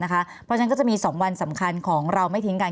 เพราะฉะนั้นก็จะมี๒วันสำคัญของเราไม่ทิ้งกัน